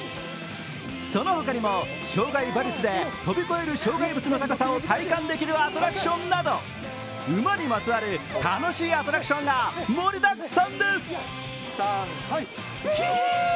その他にも障害馬術で跳び越える障害物の高さを体感できるアトラクションなど馬にまつわる楽しいアトラクションが盛りだくさんです。